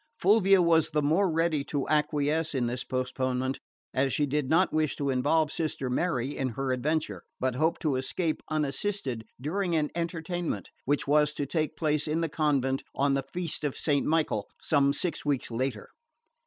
Fulvia was the more ready to acquiesce in this postponement as she did not wish to involve Sister Mary in her adventure, but hoped to escape unassisted during an entertainment which was to take place in the convent on the feast of Saint Michael, some six weeks later.